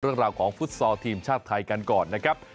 เรื่องราวของฟุตซอลทีมชาติไทยกันก่อนนะครับ